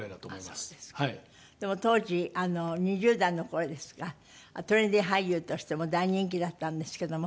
でも当時２０代の頃ですかトレンディ俳優としても大人気だったんですけども。